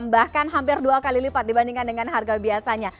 bahkan hampir dua kali lipat dibandingkan dengan harga biasanya